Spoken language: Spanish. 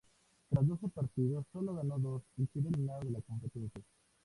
Tras doce partidos, solo ganó dos y quedó eliminado de la competencia.